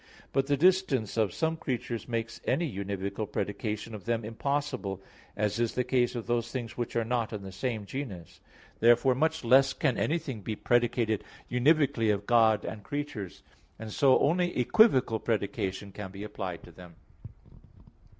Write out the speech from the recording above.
But the distance of some creatures makes any univocal predication of them impossible, as in the case of those things which are not in the same genus. Therefore much less can anything be predicated univocally of God and creatures; and so only equivocal predication can be applied to them.